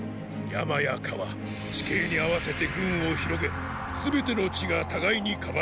山や川地形に合わせて軍を広げ全ての地が互いにかばい合い